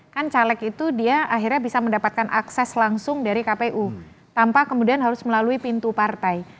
kan caleg itu dia akhirnya bisa mendapatkan akses langsung dari kpu tanpa kemudian harus melalui pintu partai